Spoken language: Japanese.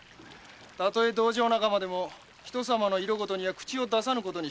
たとえ道場仲間でも人さまの色事には口を出さぬことにしておるのでな。